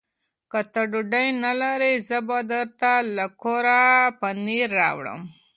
که ته ډوډۍ نه لرې، زه به درته له کوره پنېر راوړم.